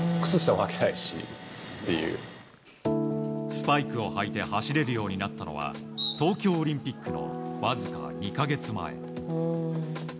スパイクを履いて走れるようになったのは東京オリンピックのわずか２か月前。